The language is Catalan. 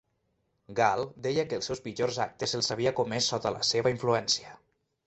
Gal deia que els seus pitjors actes els havia comès sota la seva influència.